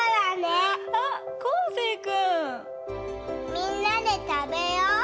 みんなでたべよう！